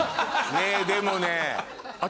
ねぇでもね私。